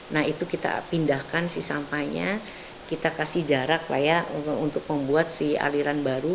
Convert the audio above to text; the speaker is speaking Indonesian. nah itu kita pindahkan si sampahnya kita kasih jarak lah ya untuk membuat si aliran baru